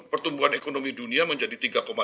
pertumbuhan ekonomi dunia menjadi tiga empat